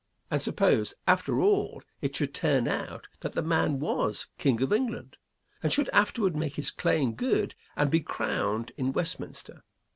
And suppose, after all, it should turn out that the man was King of England, and should afterward make his claim good and be crowned in Westminster.